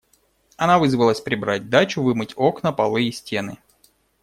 Она вызвалась прибрать дачу, вымыть окна, полы и стены.